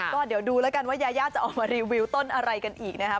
ก็เดี๋ยวดูแล้วกันว่ายายาจะออกมารีวิวต้นอะไรกันอีกนะครับ